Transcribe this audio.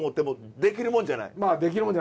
まあできるもんじゃないです。